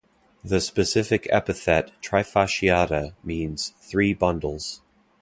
The specific epithet "trifasciata" means "three bundles".